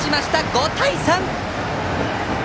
５対３！